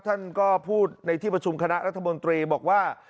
ท่านก็พูดในที่ประชุมคณะรัฐมนตรีบอกว่า